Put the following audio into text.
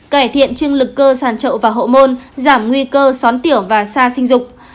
cải thiện chương lực cơ sàn trậu và hộ môn giảm nguy cơ xón tiểu và xa sinh dục